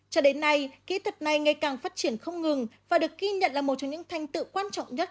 cho đến nay kỹ thuật này ngày càng phát triển không ngừng và được ghi nhận là một trong những thành tựu quan trọng nhất